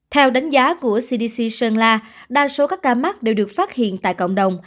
theo đánh giá của cdc sơn la đa số các ca mắc đều được phát hiện tại cộng đồng